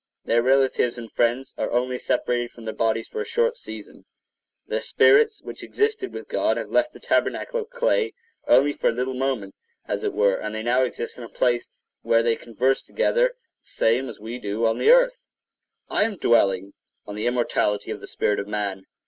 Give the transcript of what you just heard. Their relatives and friends are only separated from their bodies for a short season: their spirits which existed with God have left the tabernacle of clay only for a little moment, as it were; and they now exist in a place where they converse together the same as we do on the earth. I am dwelling on the immortality of the spirit of man.